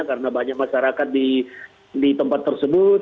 karena banyak masyarakat di tempat tersebut